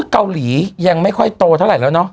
เกาหลียังไม่ค่อยโตเท่าไหร่แล้วเนอะ